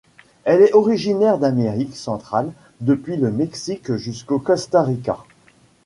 Elle est originaire d'Amérique centrale depuis le Mexique jusqu'au Costa Rica.